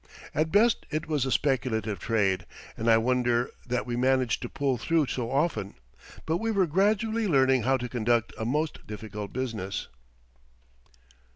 At best it was a speculative trade, and I wonder that we managed to pull through so often; but we were gradually learning how to conduct a most difficult business.